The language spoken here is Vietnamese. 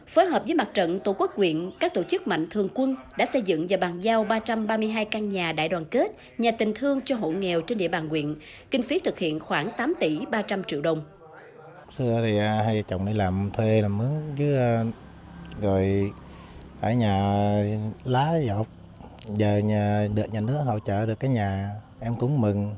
chỉ tính riêng hai năm gần đây quyện cờ rõ đã tiến hành xây dựng tám mươi bốn căn nhà cho hộ nghèo trên địa bàn quyết định ba mươi bốn căn nhà đại đoàn kết nhà tình thương cho hộ nghèo trên địa bàn quyết định ba mươi bốn căn nhà đoàn kết nhà tình thương